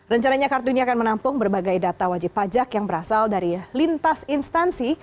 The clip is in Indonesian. rencananya kartu ini akan menampung berbagai data wajib pajak yang berasal dari lintas instansi